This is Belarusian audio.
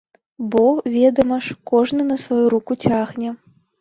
Бо, ведама ж, кожны на сваю руку цягне!